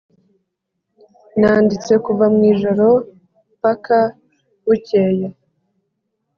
nanditse kuva mwijoro mpaka bukeye